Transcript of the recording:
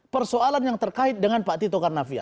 persoalan yang terkait dengan pak tito karnavian